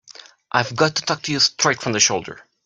I've got to talk to you straight from the shoulder.